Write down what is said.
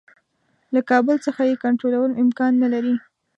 له کابل څخه یې کنټرولول امکان نه لري.